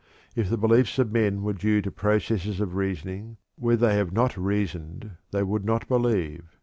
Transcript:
If the beliefs of men were due to processes of reasoning, where they have not reasoned they would not believe.